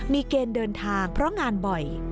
มีเกณฑ์เดินทางเพราะงานบ่อย